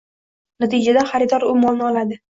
Natijada xaridor u molni oladi.